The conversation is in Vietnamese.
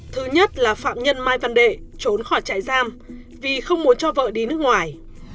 thứ nhất là phạm nhân mai văn đệ trốn khỏi trại giam vì không muốn cho vợ đi nước ngoài